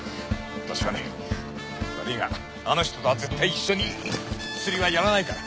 私はね悪いがあの人とは絶対一緒に釣りはやらないから。